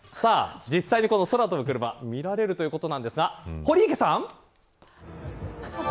実際に、この空飛ぶクルマ見られるということなんですが堀池さん。